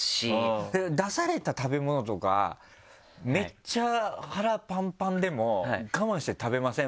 出された食べ物とかめっちゃ腹パンパンでも我慢して食べません？